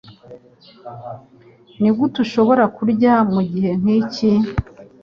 Nigute ushobora kurya mugihe nkiki?